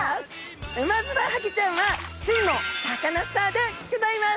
ウマヅラハギちゃんは真のサカナスターでギョざいます！